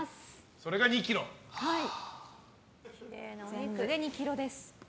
全部で２ｋｇです。